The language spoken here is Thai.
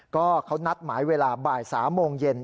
ก็เขานัดหมายเวลาบ่าย๓โมงเย็น